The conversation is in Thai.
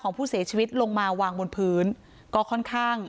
ผู้เสียชีวิตลงมาวางบนพื้นก็ค่อนข้าง